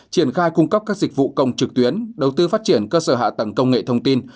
triển khai cung cấp các dịch vụ công trực tuyến đầu tư phát triển cơ sở hạ tầng công nghệ thông tin